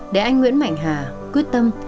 để anh nguyễn mạnh hà quyết tâm